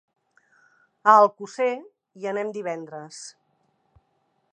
A Alcosser hi anem divendres.